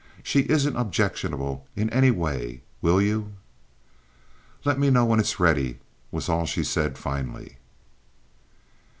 She isn't objectionable in any way. Will you?" "Let me know when it is ready," was all she said finally.